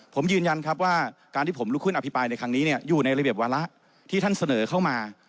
ผมยืนยันครับว่าการที่ผมลุกขึ้นอภิปรายในครั้งนี้อยู่ในระเบียบวาระที่ท่านเสนอเข้ามา